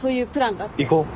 行こう。